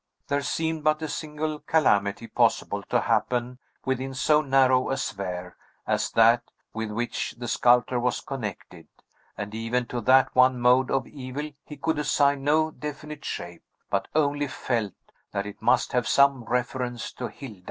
There seemed but a single calamity possible to happen within so narrow a sphere as that with which the sculptor was connected; and even to that one mode of evil he could assign no definite shape, but only felt that it must have some reference to Hilda.